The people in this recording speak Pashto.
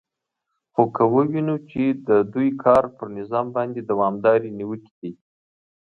خو که ووینو چې د دوی کار پر نظام باندې دوامدارې نیوکې دي